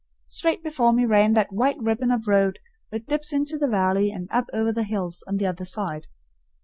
Straight before me ran that white ribbon of road that dips into the valley and up over the hills on the other side.